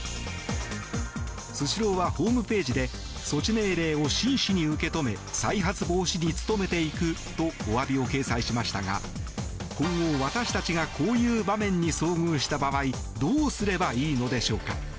スシローはホームページで措置命令を真摯に受け止め再発防止に努めていくとお詫びを掲載しましたが今後、私たちがこういう場面に遭遇した場合どうすればいいのでしょうか。